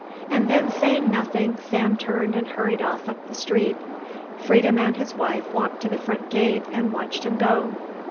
And then saying nothing Sam turned and hurried off up the street, Freedom and his wife walked to the front gate and watched him go.